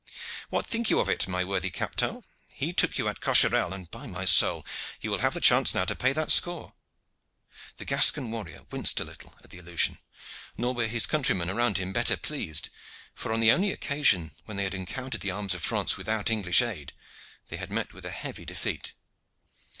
What think you of it, my worthy Captal? He took you at Cocherel, and, by my soul! you will have the chance now to pay that score." The Gascon warrior winced a little at the allusion, nor were his countrymen around him better pleased, for on the only occasion when they had encountered the arms of France without English aid they had met with a heavy defeat.